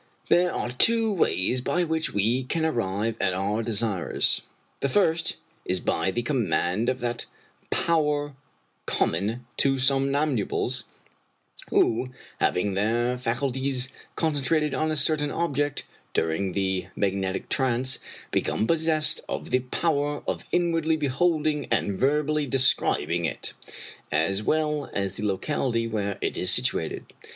"There are two ways by which we can arrive at our desires. The first is by the command of that power com 35 Irish Mystery Stories tnon to somnafnbules, who, having their faculties concen trated on a certain object during the magnetic trance, become possessed of the power of inwardly beholding and verbally describing it, as well as the locality where it is situated.